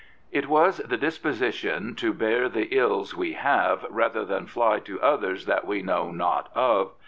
It was the disposition to bear the ills we have rather than fly to others that we know not of.